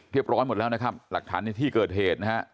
ร้อยหมดแล้วนะครับหลักฐานในที่เกิดเหตุนะฮะ